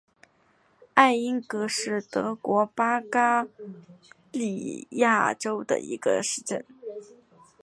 艾因格是德国巴伐利亚州的一个市镇。